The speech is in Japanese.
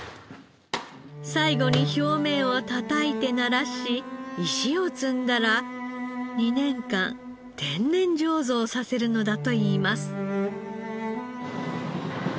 最後に表面をたたいてならし石を積んだら２年間天然醸造させるのだといいます。